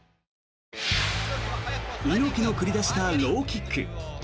猪木の繰り出したローキック。